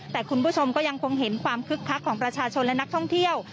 แต่คุณผู้ชมก็ยังคงเห็นความคึกคักของประชาชนและนักท่องเที่ยว